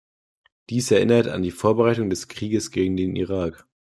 Dies erinnert an die Vorbereitung des Krieges gegen den Irak.